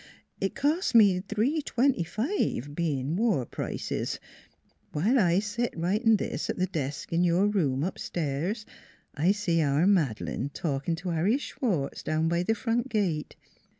It cost me three twenty five, being war prices. While I set writing this, at the desk in your room up stairs, I see our Madeleine talking to Harry Schwartz down by the front gate.